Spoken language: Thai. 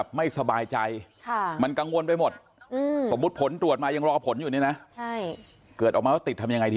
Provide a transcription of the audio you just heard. หนูเข้าใจนะคะว่าการทำงานมันมีการผิดพลาดกันได้ค่ะ